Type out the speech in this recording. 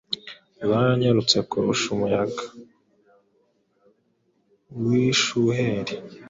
Zaranyarutse kurusha umuyaga.wishuheri